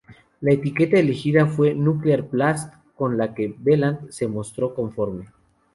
La etiqueta elegida fue Nuclear Blast, con la que Veland se mostró conforme.